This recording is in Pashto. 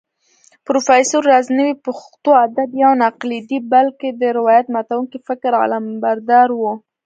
پروفېسر راز نوې پښتو ادب يو ناتقليدي بلکې د روايت ماتونکي فکر علمبردار و